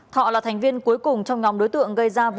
thọ là thành viên cuối cùng trong nhóm đối tượng gây ra vụ